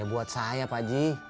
ya buat saya pak haji